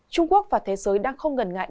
trung quốc và thế giới đang không ngần ngại